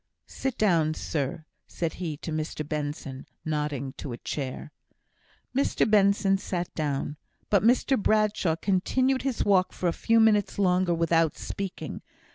"Sit down, sir!" said he to Mr Benson, nodding to a chair. Mr Benson sat down. But Mr Bradshaw continued his walk for a few minutes longer without speaking.